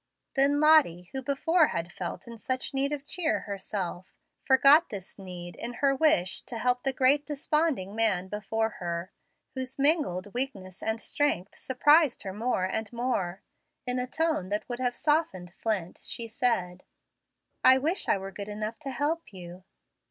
Then Lottie, who before had felt in such need of cheer herself, forgot this need in her wish to help the great desponding man before her, whose mingled weakness and strength surprised her more and more. In a tone that would have softened flint she said, "I wish I were good enough to help you."